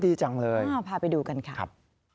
ดีจังเลยพาไปดูกันค่ะครับ